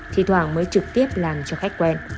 thỉ thoảng mới trực tiếp làm cho khách quen